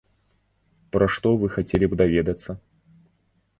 Пра што вы хацелі б даведацца?